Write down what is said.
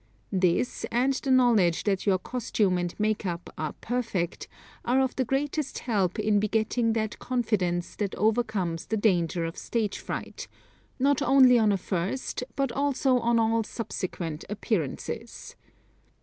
This and the knowledge that your costume and makeup are perfect, are of the greatest help in begetting that confidence that overcomes the danger of stage fright, not only on a first but also on all subsequent appearances.